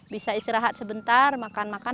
bisa istirahat sebentar makan makan